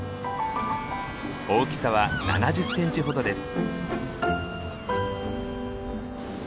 大きさは７０センチほどです。